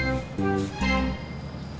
sering dipanggil ceramah kemana mana